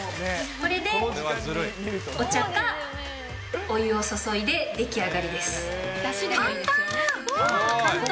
これでお茶かお湯を注いで出来上簡単！